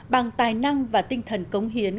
bằng tài năng và tinh thần cống hiến